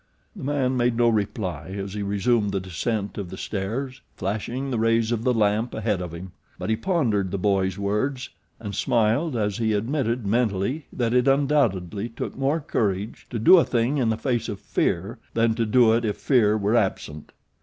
The man made no reply as he resumed the descent of the stairs, flashing the rays of the lamp ahead of him; but he pondered the boy's words and smiled as he admitted mentally that it undoubtedly took more courage to do a thing in the face of fear than to do it if fear were absent.